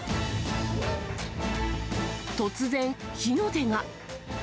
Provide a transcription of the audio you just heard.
突然、火の手が。